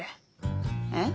えっ？